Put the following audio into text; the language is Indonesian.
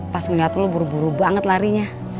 pas ngeliat lo buru buru banget larinya